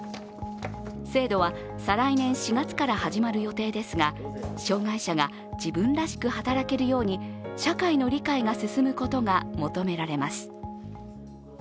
制度は再来年４月から始まる予定ですが、障害者が自分らしく働けるように社会の理解が進むことが求められます。